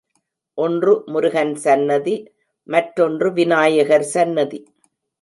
ஒன்று முருகன் சன்னதி மற்றொன்று விநாயகர் சன்னதி.